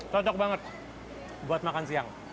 cocok banget buat makan siang